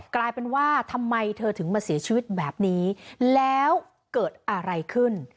กลายเป็นว่าทำไมเธอถึงมาเสียชีวิตแบบนี้แล้วเกิดอะไรขึ้น